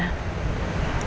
yaudah kita ngobrol disana